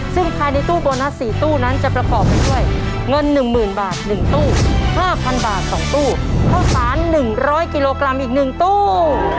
ซึ่งภายในตู้โบนัส๔ตู้นั้นจะประกอบไปด้วยเงิน๑๐๐๐บาท๑ตู้๕๐๐บาท๒ตู้ข้าวสาร๑๐๐กิโลกรัมอีก๑ตู้